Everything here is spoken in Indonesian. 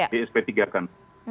di sp tiga kan